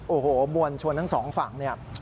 โอ้โหมวลชวนนั้นสองฝั่ง